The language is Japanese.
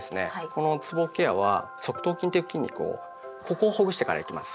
このつぼケアは側頭筋という筋肉をここをほぐしてからいきます。